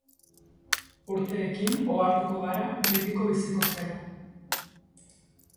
Urteekin ohartuko gara betiko biziko zela.